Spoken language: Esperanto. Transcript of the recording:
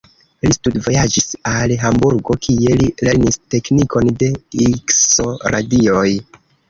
Li studvojaĝis al Hamburgo, kie li lernis teknikon de Ikso-radioj.